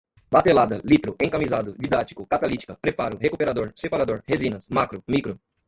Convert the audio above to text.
batelada, litro, encamisado, didático, catalítica, preparo, recuperador, separador, resinas, macro, micro